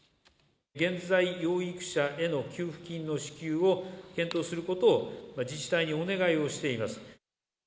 現在養育者への給付金の支給を検討することを、自治体にお願いをしています。